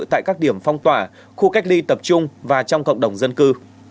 tại các điểm phong tỏa khu cách ly tập trung và trong cộng đồng dân cư